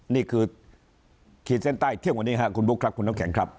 นี่คือขีดเส้นใต้เที่ยงวันนี้ครับคุณบุ๊คครับคุณน้ำแข็งครับ